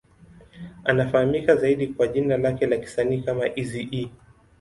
Anafahamika zaidi kwa jina lake la kisanii kama Eazy-E.